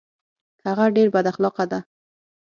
هغه ډیر بد اخلاقه ده